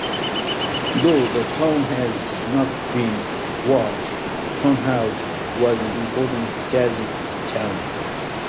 Though the town had not been walled, Turnhout was an important strategic town.